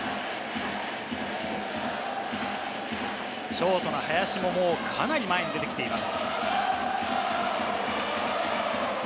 ショートの林ももうかなり前に出てきています。